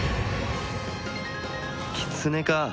キツネか。